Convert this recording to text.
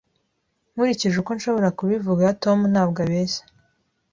Nkurikije uko nshobora kubivuga, Tom ntabwo abeshya.